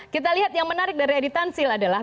kita lihat yang menarik dari edi tansil adalah